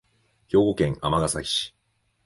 兵庫県尼崎市